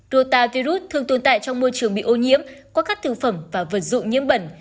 rotavirus thường tồn tại trong môi trường bị ô nhiễm qua các thực phẩm và vật dụ nhiễm bẩn